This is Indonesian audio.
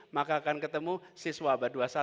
maka akan ketemu siswa abad dua puluh satu